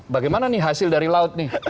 bagaimana nih hasil dari laut nih